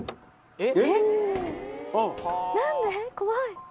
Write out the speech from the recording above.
えっ？